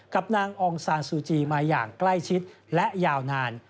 กับนางองซานซูจีมาอย่างใกล้ชิดและยาวนาน